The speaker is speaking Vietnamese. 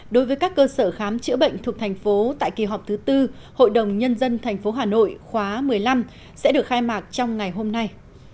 đối với các cơ sở khám chữa bệnh thuộc thành phố tại kỳ họp thứ tư hội đồng nhân dân tp hà nội khóa một mươi năm sẽ được khai mạc trong ngày hôm nay